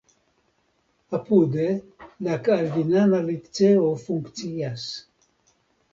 Apude la kalvinana liceo funkcias.